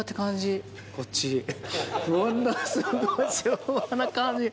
こっちすごい昭和な感じ